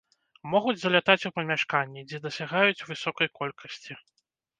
Могуць залятаць у памяшканні, дзе дасягаюць высокай колькасці.